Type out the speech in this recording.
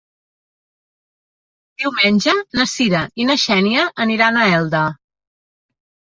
Diumenge na Sira i na Xènia aniran a Elda.